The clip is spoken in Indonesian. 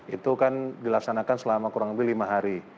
itu kan dilaksanakan selama kurang lebih lima hari